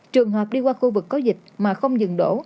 trường hợp đi qua khu vực có dịch mà không dừng đổ